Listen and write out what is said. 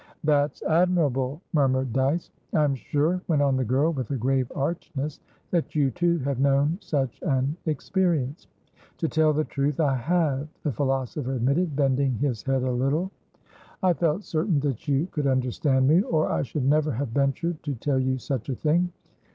"That's admirable!" murmured Dyce. "I am sure," went on the girl, with a grave archness, "that you too have known such an experience." "To tell the truth, I have," the philosopher admitted, bending his head a little. "I felt certain that you could understand me, or I should never have ventured to tell you such a thing.